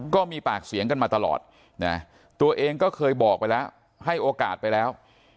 ก็มีปากเสียงกันมาตลอดนะตัวเองก็เคยบอกไปแล้วให้โอกาสไปแล้ว